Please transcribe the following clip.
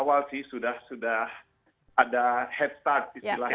dan sebetulnya dari awal sudah ada head start istilahnya